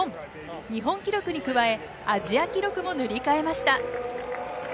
日本記録に加え、アジア記録も塗り替えました。